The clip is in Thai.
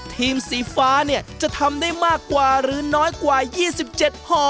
สีฟ้าเนี่ยจะทำได้มากกว่าหรือน้อยกว่า๒๗ห่อ